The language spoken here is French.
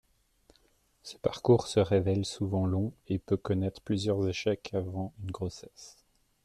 Ce parcours se révèle souvent long et peut connaître plusieurs échecs avant une grossesse.